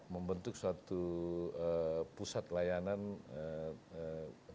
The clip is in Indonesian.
membentuk suatu pusat layanan tenaga kerja